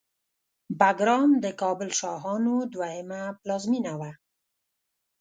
بګرام د کابل شاهانو دوهمه پلازمېنه وه